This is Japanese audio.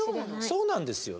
そうなんですよ